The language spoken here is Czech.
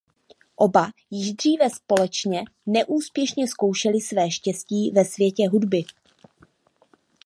Oba již dříve společně neúspěšně zkoušeli své štěstí ve světě hudby.